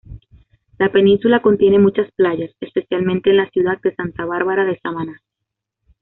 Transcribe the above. La península contiene muchas playas, especialmente en la ciudad de Santa Bárbara de Samaná.